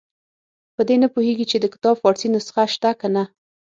په دې نه پوهېږي چې د کتاب فارسي نسخه شته که نه.